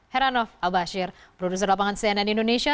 hera nof al bashir produser lapangan cnn indonesia